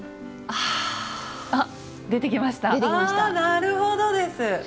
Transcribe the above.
あなるほどです！